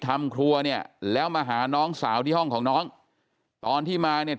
ทำครัวเนี่ยแล้วมาหาน้องสาวที่ห้องของน้องตอนที่มาเนี่ย